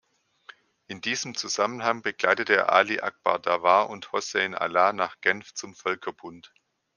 In diesem Zusammenhang begleitete er Ali-Akbar Davar und Hossein Ala nach Genf zum Völkerbund.